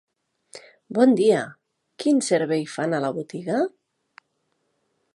Bon dia, quin servei fan a la botiga?